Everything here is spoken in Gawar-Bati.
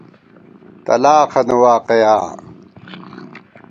تلاخَنہ واقَیا